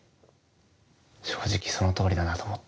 正直その通りだなと思って。